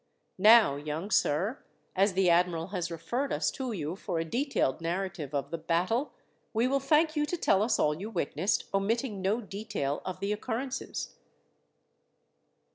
"Now, young sir, as the admiral has referred us to you for a detailed narrative of the battle, we will thank you to tell us all you witnessed, omitting no detail of the occurrences."